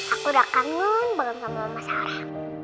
aku udah kangen banget sama oma sarah